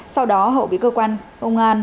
sau đó hậu bị cơ quan công an